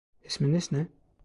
İsminiz ne?